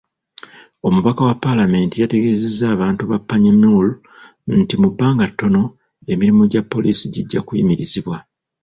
Omubaka wa paalamenti yategeeza abantu ba Panyimur nti mu bbanga ttono, emirimu gya poliisi gijja kuyimirizibwa.